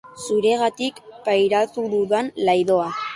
Zuregatik pairatu dudan laidoa.